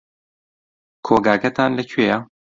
کۆگاکەتان لەکوێیە؟